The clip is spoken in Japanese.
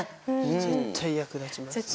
絶対役立ちますね。